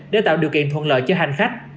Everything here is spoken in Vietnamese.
để tạo điều kiện thuận lợi cho hành khách